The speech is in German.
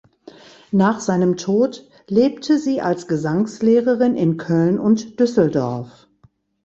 Nach seinem Tod lebte sie als Gesangslehrerin in Köln und Düsseldorf.